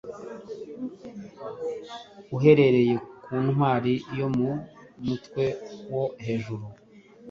Uhereye ku ntwari yo mu mutwe wo hejuru